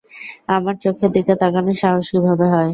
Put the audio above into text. আমার চোখের দিকে তাকানোর সাহস কীভাবে হয়?